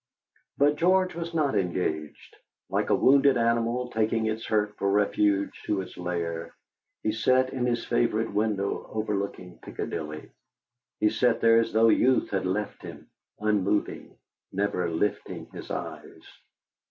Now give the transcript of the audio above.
But George was not engaged. Like a wounded animal taking its hurt for refuge to its lair, he sat in his favourite window overlooking Piccadilly. He sat there as though youth had left him, unmoving, never lifting his eyes.